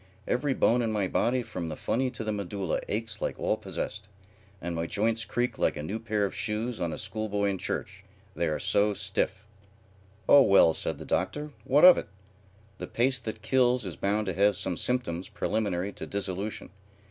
Every bone in my body from the funny to the medulla aches like all possessed, and my joints creak like a new pair of shoes on a school boy in church, they are so stiff." "Oh well," said the Doctor, "what of it? The pace that kills is bound to have some symptoms preliminary to dissolution.